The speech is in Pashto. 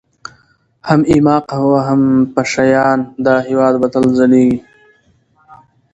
هم ايـــماق و هم پـــشــه یــــیــان، دا هـــیــواد به تــل ځلــــــیــــږي